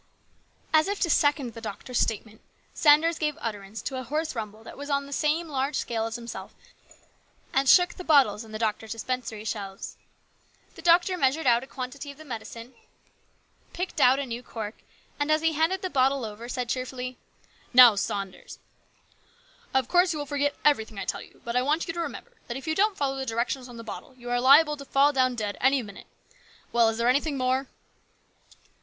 As if to second the doctor's statement, Sanders gave utterance to a hoarse rumble that was on the same large scale as himself and shook the bottles on the doctor's dispensary shelves. The doctor measured out a quantity of the medicine, picked out a new cork, and as he handed the bottle over, said cheerfully :" Now, Sanders, of course you will forget everything I tell you, but I want you to remember that if you don't follow the directions on the bottle, you are liable to fall down dead any minute. Well, is there anything more?"